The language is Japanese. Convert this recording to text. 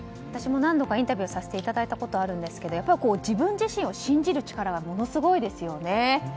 私も何度かインタビューさせていただいたことがあるんですがやっぱり自分自身を信じる力がものすごいですよね。